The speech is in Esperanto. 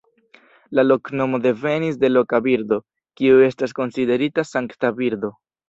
La loknomo devenis de loka birdo, kiu estas konsiderita sankta birdo.